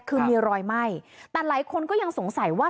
คือมีรอยไหม้แต่หลายคนก็ยังสงสัยว่า